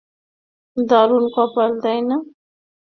দারুন কপাল, তাই না?